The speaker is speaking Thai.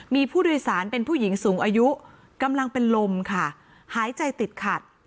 มีผู้โดยสารเป็นผู้หญิงสูงอายุกำลังเป็นลมค่ะหายใจติดขัด